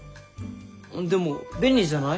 でも便利じゃない？